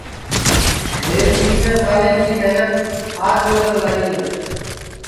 میری تیس سالیں کی محنت آج یو رنگ لائی ری ہے